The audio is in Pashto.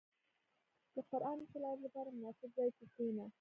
• د قران د تلاوت لپاره، مناسب ځای کې کښېنه.